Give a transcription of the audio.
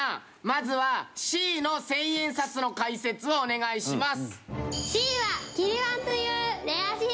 続いてＡの千円札の解説をお願いします。